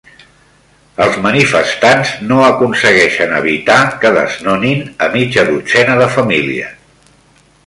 Els manifestants no aconsegueixen evitar que desnonin a mitja dotzena de famílies